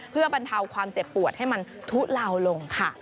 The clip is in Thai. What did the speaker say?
เพื่อบรรเทาความเจ็บปวดให้มันทุเลาลงค่ะ